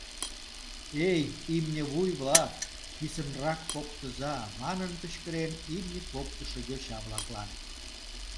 — Эй, имневуй-влак, писынрак поктыза! — манын кычкырен имне поктышо йоча-влаклан.